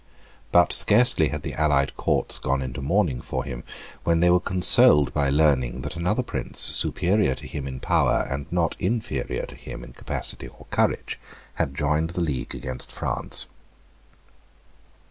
But scarcely had the allied Courts gone into mourning for him when they were consoled by learning that another prince, superior to him in power, and not inferior to him in capacity or courage, had joined the league against France.